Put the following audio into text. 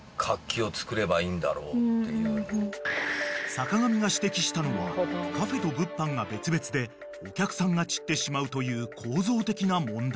［坂上が指摘したのはカフェと物販が別々でお客さんが散ってしまうという構造的な問題］